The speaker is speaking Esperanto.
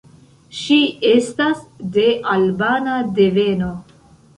Ŝi estas de albana deveno.